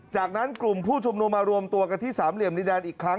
จากนั้นกลุ่มผู้ชุมนุมมารวมตัวกันที่สามเหลี่ยมดินแดนอีกครั้ง